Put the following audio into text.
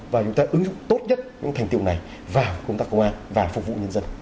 và chúng ta ứng dụng tốt nhất những thành tiệu này vào công tác công an và phục vụ nhân dân